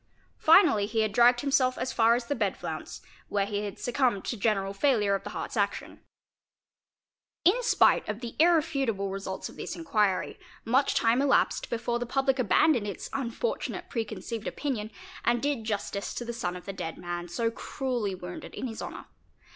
Finally he had dragged himself as far as the bed flounce, where he had succumbed to general failure of the heart's action. 584 TRACES OF BLOOD In spite of the irrefutable results of this inquiry, much time elapsed before the public abandoned its unfortunate pre conceived opinion and did justice to the son of the dead man so cruelly wounded in his honour.